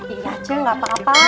iya aja gak apa apa